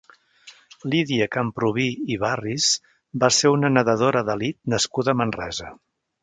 Lidia Camprubí i Barris va ser una nedadora d'elit nascuda a Manresa.